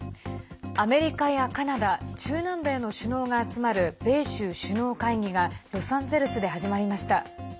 アメリカやカナダ中南米の首脳が集まる米州首脳会議がロサンゼルスで始まりました。